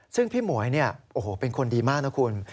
ซึ่งพี่หมวยเนี่ยโอ้โหเป็นคนดีมากนะคุณ